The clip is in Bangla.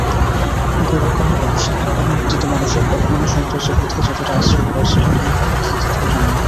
গোরা কহিল, সেখানকার মূর্তিতে মানুষের কল্পনা সৌন্দর্যবোধকে যতটা আশ্রয় করেছিল জ্ঞানভক্তিকে ততটা নয়।